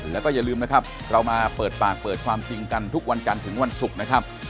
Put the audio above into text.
แล้วก็อย่าลืมนะครับเรามาเปิดปากเปิดความจริงกันทุกวันจันทร์ถึงวันศุกร์นะครับ